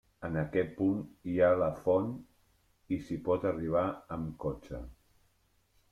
En aquest punt hi ha la font i s'hi pot arribar amb cotxe.